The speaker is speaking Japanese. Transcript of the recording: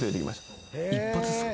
一発っすか？